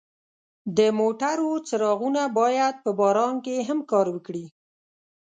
د موټرو څراغونه باید په باران کې هم کار وکړي.